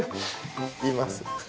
います。